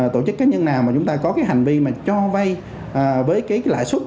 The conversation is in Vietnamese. tổ chức cá nhân nào mà chúng ta có hành vi cho vay với lãi suất